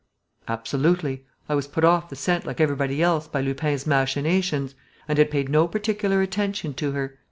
"Absolutely. I was put off the scent, like everybody else, by Lupin's machinations, and had paid no particular attention to her.